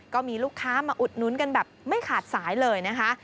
ก็มีลูกค้ามาอุดนุนกันแบบไม่ขาดสายเลยนะคะ